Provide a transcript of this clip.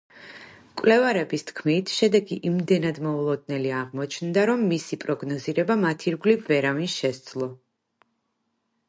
მკვლევარების თქმით, შედეგი იმდენად მოულოდნელი აღმოჩნდა, რომ მისი პროგნოზირება მათ ირგვლივ ვერავინ შესძლო.